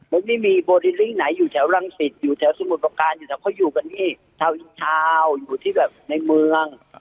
มันไม่มีโปรดิลิ้งไหนอยู่แถวรังสิตอยู่แถวสมุทรประการอยู่แถวเขาอยู่กันนี่ชาวอินทาวน์อยู่ที่แบบในเมือง